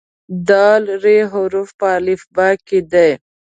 د "ر" حرف په الفبا کې دی.